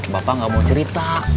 bapak gak mau cerita